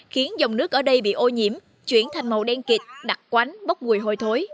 khiến dòng nước ở đây bị ô nhiễm chuyển thành màu đen kịch đặc quánh bốc mùi hôi thối